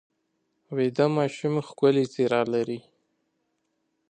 ویده ماشوم ښکلې څېره لري